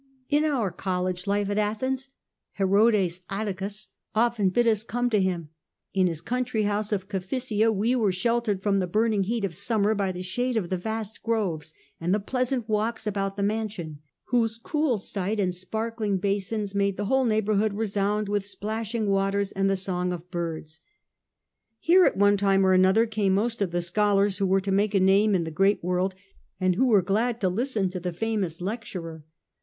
* In our college life at Athens, Herodes Atticus often bade us come to him. In his country house of Cephissia we were shel tered from the burning heat of summer by the shade of the vast groves, and the pleasant walks about the man sion, whose cool site and sparkling basins made the whole neighbourhood resound with splashing waters and the song of birds.* Here at one time or another came most of the scholars who w ere to make a name in the great world, and who were glad to listen to the famous lecturer.